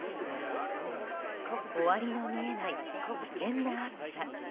終わりの見えない危険な暑さ。